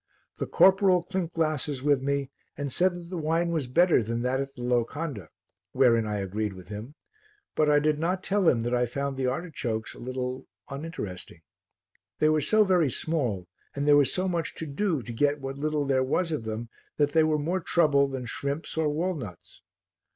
The corporal clinked glasses with me and said that the wine was better than that at the locanda, wherein I agreed with him, but I did not tell him I found the artichokes a little uninteresting. They were so very small and there was so much to do to get what little there was of them that they were more trouble than shrimps or walnuts.